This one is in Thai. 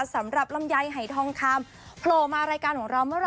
ลำไยหายทองคำโผล่มารายการของเราเมื่อไห